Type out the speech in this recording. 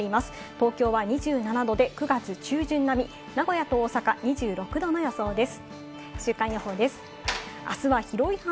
東京は２７度で９月中旬並み、名古屋と大阪２６度の予想です。